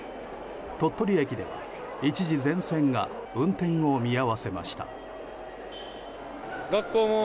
鳥取駅では、一時全線が運転を見合わせました。